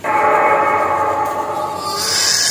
چي په پاڼو د تاریخ کي لوستلې.